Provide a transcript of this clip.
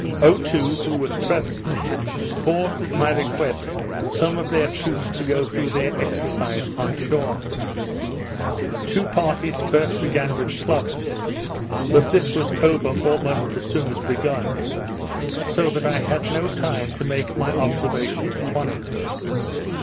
Otoo, who was present, caused at my request some of their troops to go through their exercise on shore. Two parties first began with clubs, but this was over almost as soon as begun; so that I had no time to make my observations upon it.